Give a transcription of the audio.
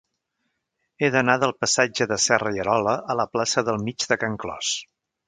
He d'anar del passatge de Serra i Arola a la plaça del Mig de Can Clos.